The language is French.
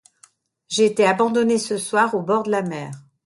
J’ai été abandonné ce soir au bord de la mer.